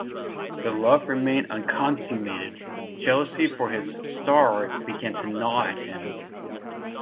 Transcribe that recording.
Their love remained unconsummated; jealousy for his 'star' began to gnaw at him.